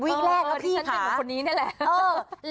ดิฉันติดเหมือนคนนี้นี่แหละ